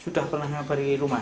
sudah pernah mengabari rumah